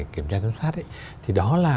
kiểm tra tâm sát thì đó là